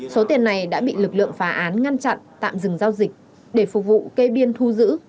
số tiền này đã bị lực lượng phá án ngăn chặn tạm dừng giao dịch để phục vụ cây biên thu giữ